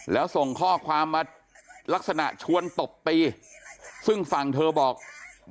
แล้วส่งข้อความลักษณะชวนตบปีซึ่งฝั่งเธอบอกไม่คุยด้วย